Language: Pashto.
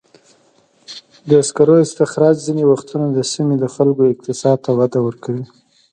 د سکرو استخراج ځینې وختونه د سیمې د خلکو اقتصاد ته وده ورکوي.